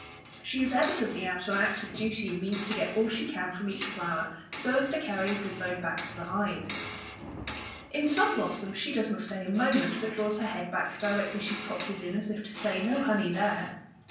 She is evidently out on active duty, and means to get all she can from each flower, so as to carry a good load back to the hive. In some blossoms she does not stay a moment, but draws her head back directly she has popped it in, as if to say "No honey there."